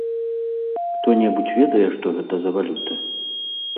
Хто-небудзь ведае, што гэта за валюта?